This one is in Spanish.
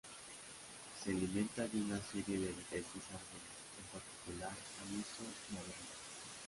Se alimenta de una serie de diferentes árboles, en particular, aliso y abedul.